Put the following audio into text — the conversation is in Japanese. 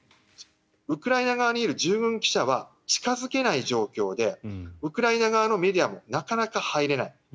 ウクライナ側にいる従軍記者は近付けない状況でウクライナ側のメディアもなかなか入れない。